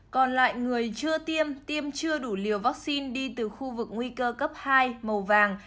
còn lại người chưa tiêm tiêm chưa đủ liều vaccine đi từ khu vực nguy cơ cấp hai màu vàng